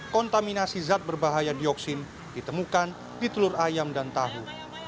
kontaminasi zat berbahaya dioksin ditemukan di telur ayam dan tahu